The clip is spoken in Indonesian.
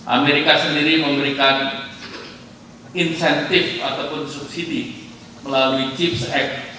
amerika sendiri memberikan insentif ataupun subsidi melalui chips ex